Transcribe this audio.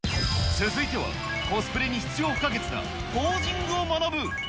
続いては、コスプレに必要不可欠なポージングを学ぶ。